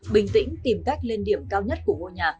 bình tĩnh tìm cách lên điểm cao nhất của ngôi nhà